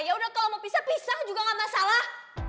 yaudah kalau mau pisah pisah juga gak masalah